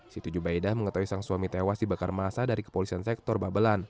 siti jubaidah mengetahui sang suami tewas dibakar masa dari kepolisian sektor babelan